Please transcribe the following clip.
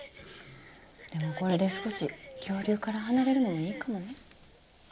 でもこれで少し恐竜から離れるのもいいかもね。